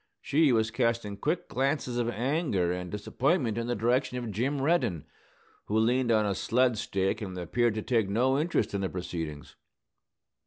She was casting quick glances of anger and disappointment in the direction of Jim Reddin, who leaned on a sled stake and appeared to take no interest in the proceedings.